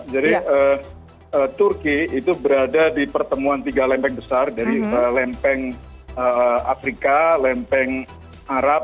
jadi turki itu berada di pertemuan tiga lempeng besar dari lempeng afrika lempeng arab